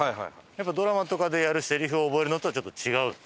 やっぱドラマとかでやるセリフを覚えるのとはちょっと違うの？